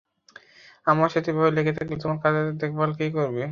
আমার সাথে এভাবে লেগে থাকলে তোমার কাজের দেখভাল কে করবে?